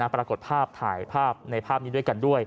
ปรากฏภาพถ่ายภาพในภาพนี้ด้วยกันด้วย